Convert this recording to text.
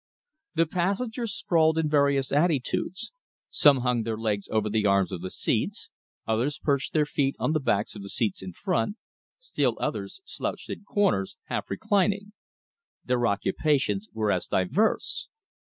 The passengers sprawled in various attitudes. Some hung their legs over the arms of the seats; others perched their feet on the backs of the seats in front; still others slouched in corners, half reclining. Their occupations were as diverse.